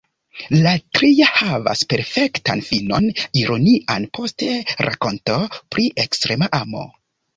La tria havas perfektan finon, ironian, post rakonto pri ekstrema amo.